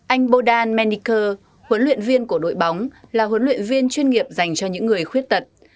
anh bodan meniker huấn luyện viên của đội bóng là huấn luyện viên chuyên nghiệp dành cho những người khuyết tật